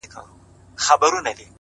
• چي د ارواوو په نظر کي بند سي؛